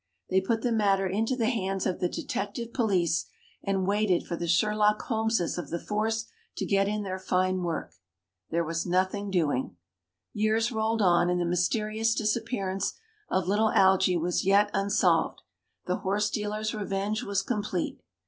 They put the matter into the hands of the detective police, and waited for the Sherlock Holmeses of the force to get in their fine work. There was nothing doing. Years rolled on, and the mysterious disappearance of little Algy was yet unsolved. The horse dealer's revenge was complete.